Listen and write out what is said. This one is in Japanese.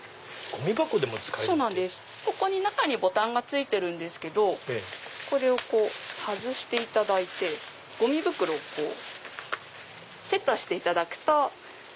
中にボタンが付いてるんですけどこれを外していただいてゴミ袋をセットしていただくと。